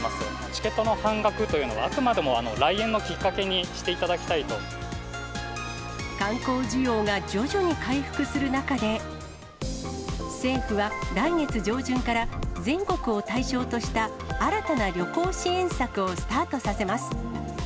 チケットの半額というのは、あくまでも来園のきっかけにして観光需要が徐々に回復する中で、政府は来月上旬から、全国を対象とした新たな旅行支援策をスタートさせます。